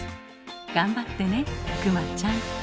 頑張ってね熊ちゃん。